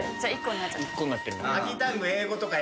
１個になってる。